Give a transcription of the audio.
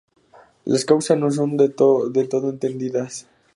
La causas no son del todo entendidas.